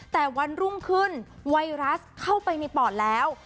แต่วันรุ่งขึ้นไวรัสเข้าไปในปอดแล้ว